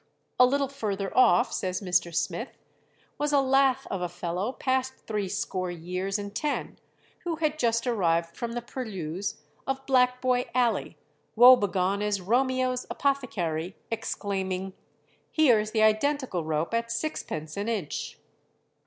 A little further off, says Mr. Smith, was "a lath of a fellow past three score years and ten, who had just arrived from the purlieus of Black Boy Alley, woebegone as Romeo's apothecary, exclaiming, 'Here's the identical rope at sixpence an inch.'"